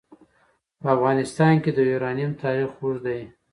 په افغانستان کې د یورانیم تاریخ اوږد دی.